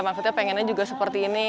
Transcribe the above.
maksudnya pengennya juga seperti ini